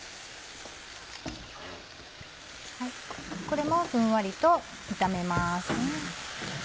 これもふんわりと炒めます。